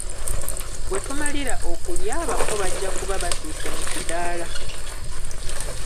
Wetumalira okulya abako bajja kuba batuuse mu kiddaala.